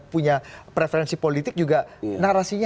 punya preferensi politik juga narasinya